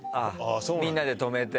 みんなで止めて。